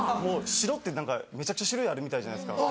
白ってめちゃくちゃ種類あるみたいじゃないですか。